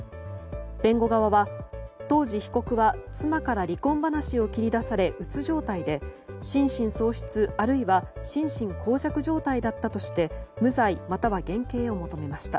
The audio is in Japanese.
弁護側は当時、被告は妻から離婚話を切り出されうつ状態で心神喪失、あるいは心神耗弱状態だったとして無罪または減刑を求めました。